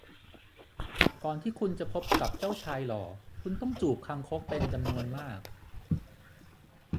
ก่อนที่คุณจะพบกับเจ้าชายหล่อคุณต้องจูบคางคกเป็นจำนวนมาก